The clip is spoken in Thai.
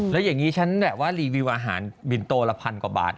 แล้วอย่างนี้ฉันแบบว่ารีวิวอาหารบินโตละพันกว่าบาท